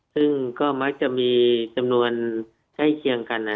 ซึ่งก็มักจะมีจำนวนใกล้เคียงกัน